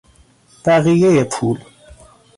بقیهی پول